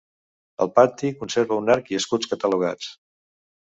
El pati conserva un arc i escuts catalogats.